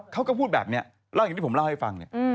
เขาก็พูดแบบเนี่ยเรื่องที่ผมเล่าให้ฟังเนี่ย